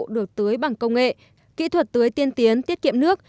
được tưới bằng công nghệ kỹ thuật tưới tiên tiến tiết kiệm nước